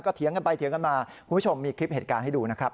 เถียงกันไปเถียงกันมาคุณผู้ชมมีคลิปเหตุการณ์ให้ดูนะครับ